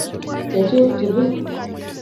chechuk tugul